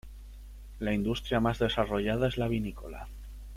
La industria más desarrollada es la vinícola.